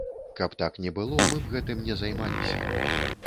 Каб так не было, мы б гэтым не займаліся.